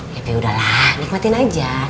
ya udah lah nikmatin aja